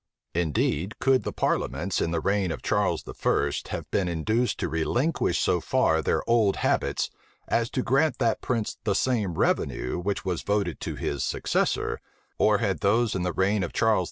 Indeed, could the parliaments in the reign of Charles I. have been induced to relinquish so far their old habits, as to grant that prince the same revenue which was voted to his successor, or had those in the reign of Charles II.